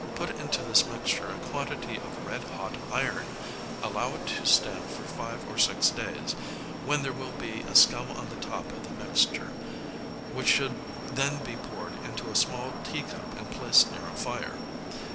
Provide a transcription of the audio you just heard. Put into this mixture a quantity of red hot iron; allow it to stand for five or six days, when there will be a scum on the top of the mixture, which should then be poured into a small teacup and placed near a fire.